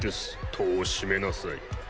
戸を閉めなさい。